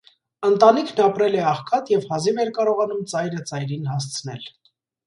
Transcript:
Ընտանիքն ապրել է աղքատ և հազիվ էր կարողանում ծայրը ծայրին հասցնել։